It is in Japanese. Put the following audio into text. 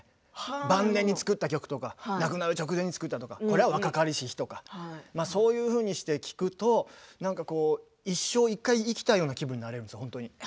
晩年に作った曲とか、亡くなる直前に作った曲とかこれは若かりしときとかそういうふうにして聴くと一生を１回生きたような気分になります。